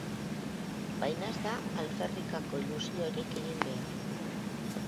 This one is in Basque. Baina ez da alferrikako ilusiorik egin behar.